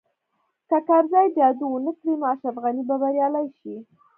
که کرزی جادو ونه کړي نو اشرف غني به بریالی شي